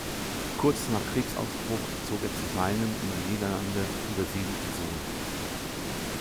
Kurz nach Kriegsausbruch zog er zu seinem in die Niederlande übersiedelten Sohn.